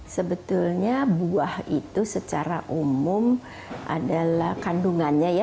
sebetulnya buah itu secara umum adalah kandungannya ya